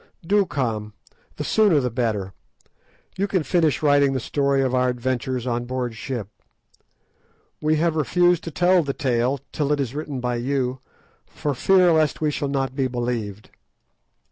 Do come; the sooner the better; you can finish writing the story of our adventures on board ship. We have refused to tell the tale till it is written by you, for fear lest we shall not be believed.